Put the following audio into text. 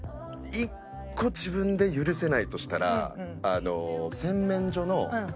１個自分で許せないとしたら洗面所の。